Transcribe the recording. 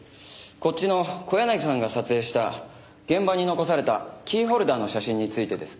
こっちの小柳さんが撮影した現場に残されたキーホルダーの写真についてです。